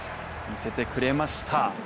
見せてくれました。